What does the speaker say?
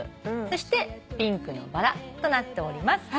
そしてピンクのバラとなっております。